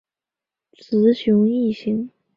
雌雄异型。